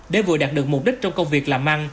để vừa đạt được mục đích trong công việc làm ăn